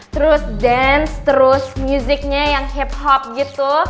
terus dance terus musicnya yang hiphop gitu